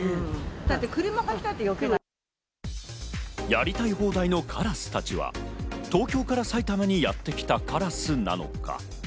やりたい放題のカラスたちは、東京から埼玉にやってきたカラスなのか？